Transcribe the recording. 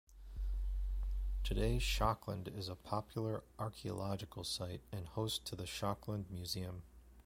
Today Schokland is a popular archaeological site and host to the Schokland Museum.